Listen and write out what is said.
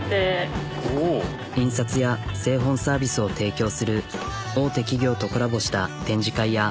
印刷や製本サービスを提供する大手企業とコラボした展示会や。